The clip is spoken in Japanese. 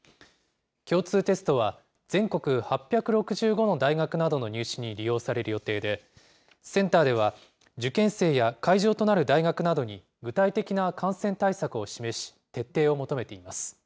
共通テストは、全国８６５の大学などの入試に利用される予定で、センターでは、受験生や会場となる大学などに、具体的な感染対策を示し、徹底を求めています。